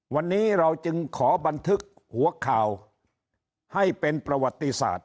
วันนี้เราจึงขอบันทึกหัวข่าวให้เป็นประวัติศาสตร์